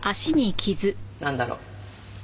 なんだろう？